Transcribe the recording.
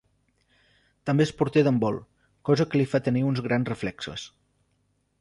També és porter d'handbol, cosa que li fa tenir uns grans reflexos.